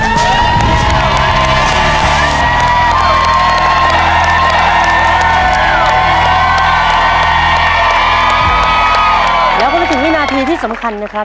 เดี๋ยวเข้าไปถึงวินาทีที่สำคัญนะครับ